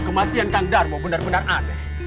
kematian kak darmo benar benar ada